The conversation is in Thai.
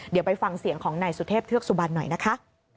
เดี๋ยวไปฟังเสียงของนายสุเทพเทือกสุบันหน่อยนะคะ